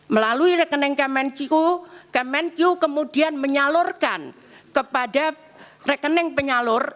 melalui rekening kemenku kemenku kemudian menyalurkan kepada rekening penyalur